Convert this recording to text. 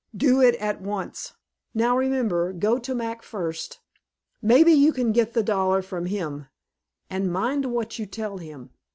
Do it at once. Now remember, go to Mac first; maybe you can get the dollar from him, and mind what you tell him.